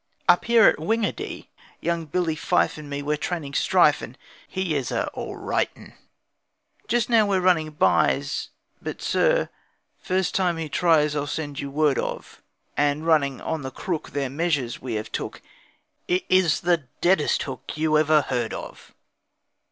Up here at Wingadee Young Billy Fife and me We're training Strife, and he Is a all right 'un. 'Just now we're running byes, But, sir, first time he tries I'll send you word of. And running 'on the crook' Their measures we have took, It is the deadest hook You ever heard of.